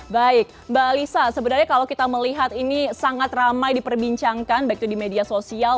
baik mbak lisa sebenarnya kalau kita melihat ini sangat ramai diperbincangkan baik itu di media sosial